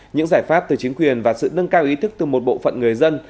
những giải pháp từ chính quyền và sự nâng cao ý thức từ một bộ phận người dân